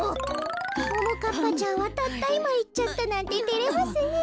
ももかっぱちゃんはたったいまいっちゃったなんててれますねえ。